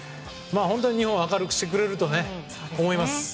日本を明るくしてくれると思います。